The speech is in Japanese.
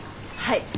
はい。